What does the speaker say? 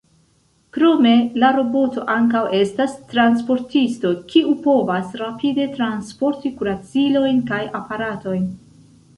Krome, la roboto ankaŭ estas "transportisto", kiu povas rapide transporti kuracilojn kaj aparatojn.